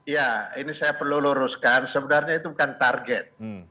ya ini saya perlu luruskan sebenarnya itu bukan target